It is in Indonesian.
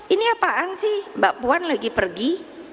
ini apaan sih mbak puan lagi pergi